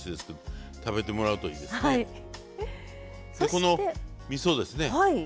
このみそですね